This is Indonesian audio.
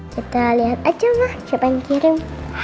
kita lihat aja ma siapa yang kirim